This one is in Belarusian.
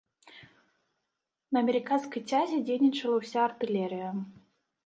На амерыканскай цязе дзейнічала ўся артылерыя.